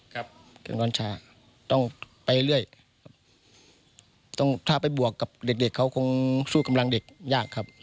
เครื่องร้อนช้าต้องไปเรื่อยถ้าไปบวกกับเด็กเขาคงสู้กำลังเด็กยากครับ